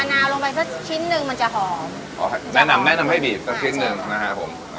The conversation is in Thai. แนะนำให้บีบสักชิ้นนึงนะครับผม